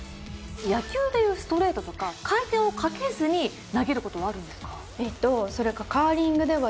野球でいうストレートとか回転をかけずに投げることはあるんですか。